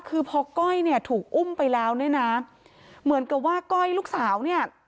คือพอก้อยเนี่ยถูกอุ้มไปแล้วเนี่ยนะเหมือนกับว่าก้อยลูกสาวเนี่ย